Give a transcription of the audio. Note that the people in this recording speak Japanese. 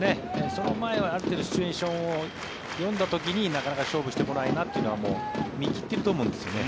その前はある程度シチュエーションを読んだ時になかなか勝負してこないなというのは見切ってると思うんですよね。